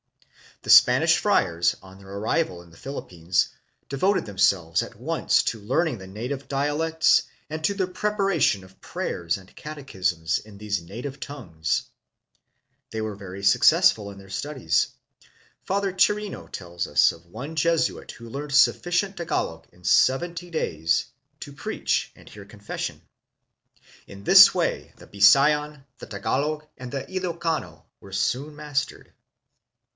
The Spanish friars, on their arrival in the Philippines, devoted themselves at once to learning the native dialects and to the preparation of prayers and catechisms in these native tongues. They were very successful in their studies. Father Chirino tells us of one Jesuit who learned sufficient Tagalog in seventy days to preach and hear confession. In this way the Bisayan, the Tagalog, and the Ilokano were soon mastered.